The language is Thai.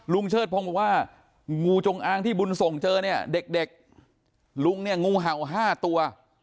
เชิดพงศ์บอกว่างูจงอางที่บุญส่งเจอเนี่ยเด็กลุงเนี่ยงูเห่า๕ตัว